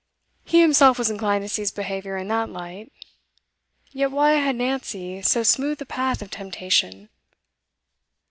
He himself was inclined to see his behaviour in that light; yet why had Nancy so smoothed the path of temptation?